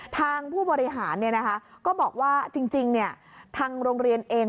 ทางผู้บริหารก็บอกว่าจริงทางโรงเรียนเอง